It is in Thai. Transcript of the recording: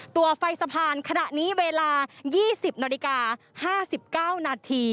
ตัวไฟสะบานขณะนี้เวลา๒๐น๕๙น